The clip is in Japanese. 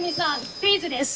クイズです！